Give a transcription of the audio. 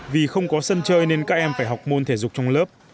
vì không có sân chơi nên các em phải học môn thể dục trong lớp